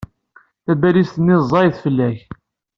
Tabalizt-nni zẓaye-t fella-k.